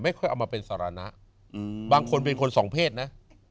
ค่อยเอามาเป็นสารณะบางคนเป็นคนสองเพศนะ